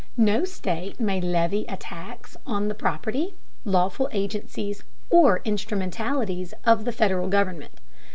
No state may levy a tax on the property, lawful agencies, or instrumentalities of the Federal government.